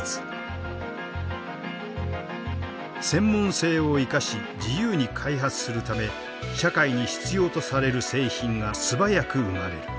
専門性を生かし自由に開発するため社会に必要とされる製品が素早く生まれる。